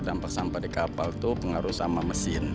dampak sampah di kapal itu pengaruh sama mesin